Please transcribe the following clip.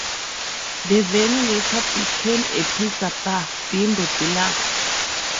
The venue later became a pizza bar, Bimbo Deluxe.